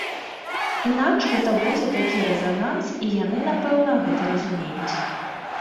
Інакш гэта будзе такі рэзананс, і яны, напэўна, гэта разумеюць.